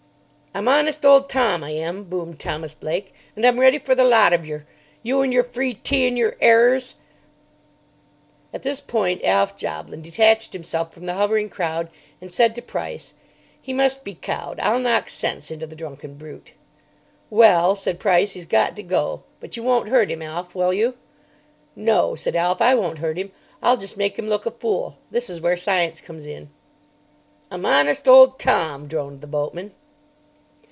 "I'm honest old Tom, I am," boomed Thomas Blake, "and I'm ready for the lot of yer: you and yer free tea and yer errers." At this point Alf Joblin detached himself from the hovering crowd and said to Price: "He must be cowed. I'll knock sense into the drunken brute." "Well," said Price, "he's got to go; but you won't hurt him, Alf, will you?" "No," said Alf, "I won't hurt him. I'll just make him look a fool. This is where science comes in." "I'm honest old Tom," droned the boatman.